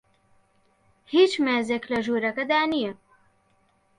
هیچ مێزێک لە ژوورەکەدا نییە.